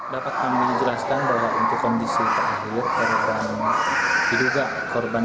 setelah mengelah tersisa sekitar empat orang